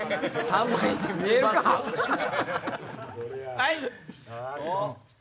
はい！